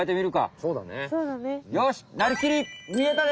そうだね。